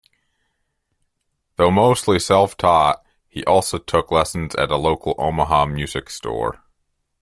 Though mostly self-taught, he also took lessons at a local Omaha music store.